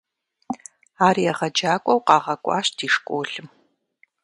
Ар егъэджакӏуэу къагъэкӏуащ ди школым.